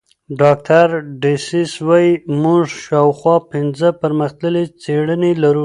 ډاکټر ډسیس وايي موږ شاوخوا پنځه پرمختللې څېړنې لرو.